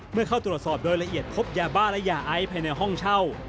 เข้าตรวจสอบโดยละเอียดพบยาบ้าและยาไอภายในห้องเช่า